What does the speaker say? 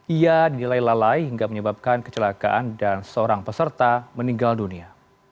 ia dinilai lalai hingga menyebabkan kecelakaan dan seorang peserta meninggal dunia